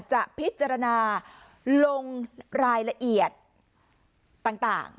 จะพิจารณาลงรายละเอียดต่าง